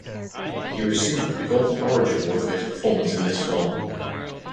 He received the Golden Orange award for his performance in this film.